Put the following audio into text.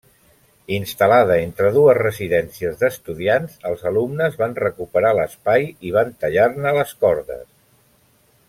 Instal·lada entre dues residències d’estudiants, els alumnes van recuperar l’espai i van tallar-ne les cordes.